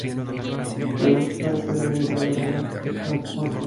Le gusta la batería y rara vez toca un acordeón.